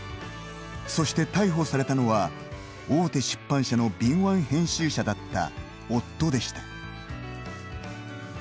そして逮捕されたのは大手出版社の敏腕編集者だった夫でした。